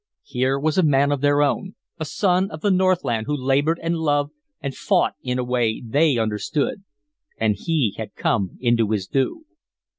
Here was a man of their own, a son of the Northland who labored and loved and fought in a way they understood, and he had come into his due.